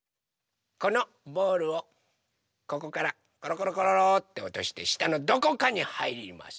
このボールをここからころころころっておとしてしたのどこかにはいります。